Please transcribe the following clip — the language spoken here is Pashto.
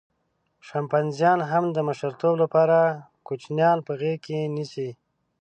شامپانزیان هم د مشرتوب لپاره کوچنیان په غېږه کې نیسي.